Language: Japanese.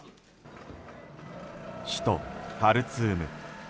首都ハルツーム。